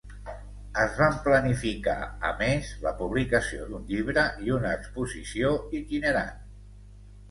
Es van planificar, a més, la publicació d'un llibre i una exposició itinerant.